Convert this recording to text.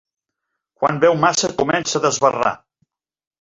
Quan beu massa comença a desbarrar.